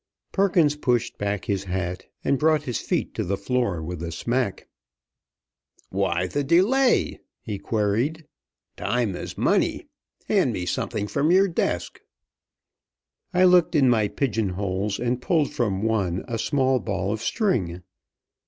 Perkins pushed back his hat, and brought his feet to the floor with a smack. "Why the delay?" he queried. "Time is money. Hand me something from your desk." I looked in my pigeonholes, and pulled from one a small ball of string.